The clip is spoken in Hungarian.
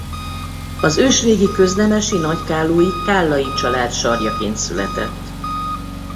Az ősrégi köznemesi nagykállói Kállay család sarjaként született.